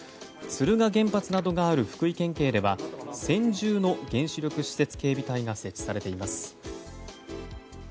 敦賀原発などがある福井県警では専従の原子力施設警備隊が設置されています。